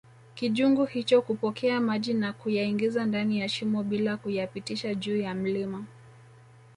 kijungu hicho kupokea maji na kuyaingiza ndani ya shimo bila kuyapitisha juu ya mlima